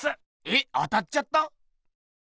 えっ当たっちゃった？